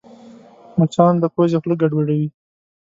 مچان د پوزې خوله ګډوډوي